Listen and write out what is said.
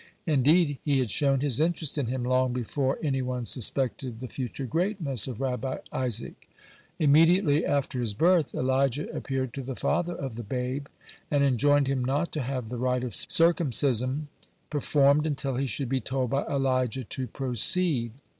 Indeed, he had shown his interest in him long before any one suspected the future greatness of Rabbi Isaac. Immediately after his birth, Elijah appeared to the father of the babe, and enjoined him not to have the rite of circumcision performed until he should be told by Elijah to proceed.